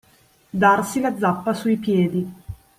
Darsi la zappa sui piedi.